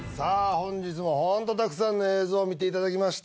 本日もホントたくさんの映像を見ていただきました